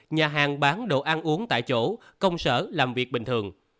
nhà hàng bán đồ ăn uống tại chỗ công sở làm việc bình thường